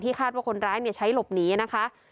ที่คาดว่าคนร้ายเนี่ยใช้หลบหนีนะคะ